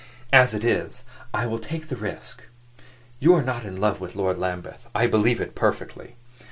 "As it is, I will take the risk. You are not in love with Lord Lambeth: I believe it, perfectly.